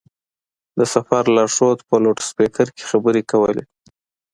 د سفر لارښود په لوډسپېکر کې خبرې کولې.